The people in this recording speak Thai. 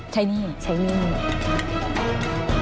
ใช้หนี้เหรอใช้หนี้เหรอใช้หนี้เหรอ